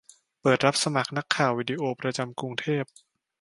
เปิดรับสมัครนักข่าววิดีโอ ประจำกรุงเทพ